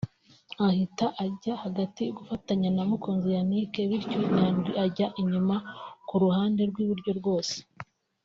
ahita ajya hagati gufatanya na Mukunzi Yannick bityo Nyandwi ajya inyuma ku ruhande rw'iburyo rwose